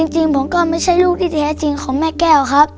จริงผมก็ไม่ใช่ลูกที่แท้จริงของแม่แก้วครับ